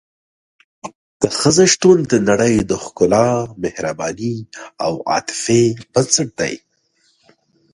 د ښځې شتون د نړۍ د ښکلا، مهربانۍ او عاطفې بنسټ دی.